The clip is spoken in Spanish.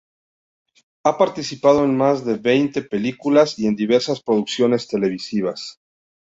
Ha participado en más de veinte películas y en diversas producciones televisivas.